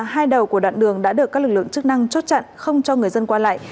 hai đầu của đoạn đường đã được các lực lượng chức năng chốt chặn không cho người dân qua lại